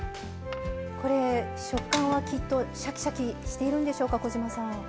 これ食感はきっとシャキシャキしているんでしょうか小島さん。